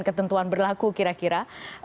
ketentuan berlaku kira kira